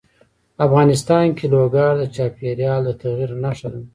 افغانستان کې لوگر د چاپېریال د تغیر نښه ده.